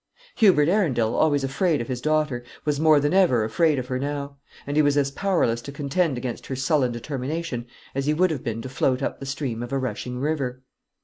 Hubert Arundel, always afraid of his daughter, was more than ever afraid of her now; and he was as powerless to contend against her sullen determination as he would have been to float up the stream of a rushing river.